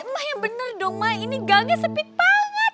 ma yang bener dong ma ini gangnya sempit banget